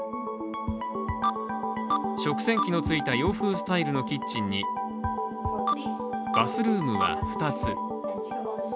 食洗機のついた洋風スタイルのキッチンにバスルームは２つ。